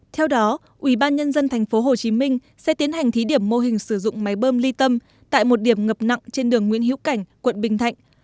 theo đó ủy ban nhân dân thành phố hồ chí minh sẽ tiến hành thí điểm mô hình sử dụng máy bơm ly tâm tại một điểm ngập nặng trên đường nguyễn hiếu cảnh quận bình thạnh